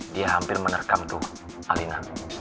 dia hampir menerkam tuh alinan